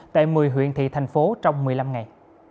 tại một mươi huyện thị thành phố trong một mươi năm ngày